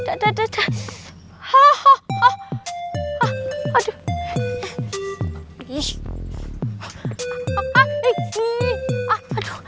aduh aduh aduh